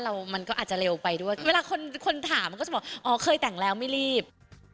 นั่นมันก็อาจจะเลวไปบางคนถามก็จะบอกอ๋อเคยแต่งแล้วไม่รีบ